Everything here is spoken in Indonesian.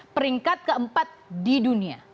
peringkat keempat di dunia